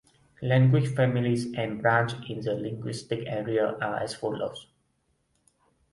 Language families and branches in the linguistic area are as follows.